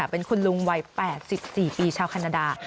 เป็นคุณลุงวัย๘๔ปีชาวแคนาดา